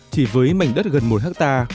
chỉ với mảnh đất gần một ha